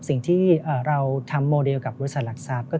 สิ่งที่เราทำโมเดลกับบริษัทหลักทรัพย์